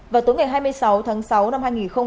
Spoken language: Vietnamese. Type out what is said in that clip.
vào tối ngày hai mươi sáu tháng sáu năm hai nghìn hai mươi ba